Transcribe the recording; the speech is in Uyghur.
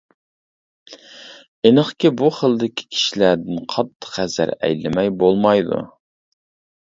ئېنىقكى بۇ خىلدىكى كىشىلەردىن قاتتىق ھەزەر ئەيلىمەي بولمايدۇ.